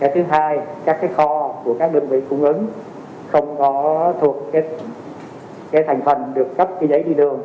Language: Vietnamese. thứ hai các kho của các đơn vị cung ứng không thuộc thành phần được cấp giấy đi đường